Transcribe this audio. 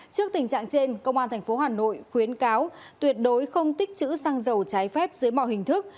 công an tp hà nội khuyến cáo tuyệt đối không tích chữ xăng dầu trái phép dưới mọi hình thức